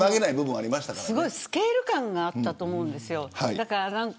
すごいスケール感があったと思うんです。